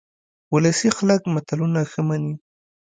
ولسي خلک متلونه ښه مني